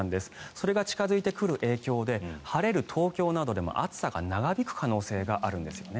それが近付いてくる影響で晴れる東京などでも暑さが長引く恐れがあるんですね。